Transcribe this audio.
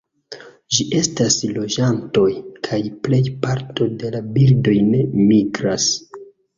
Ĝi estas loĝantoj, kaj plej parto de birdoj ne migras.